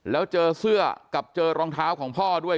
แล้วเจอเสื้อกับเจอรองเท้าของพ่อด้วย